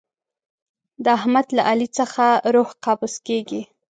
د احمد له علي څخه روح قبض کېږي.